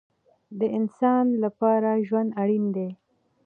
د انسان لپاره ژوند اړین دی